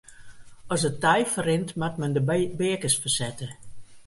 As it tij ferrint moat men de beakens fersette.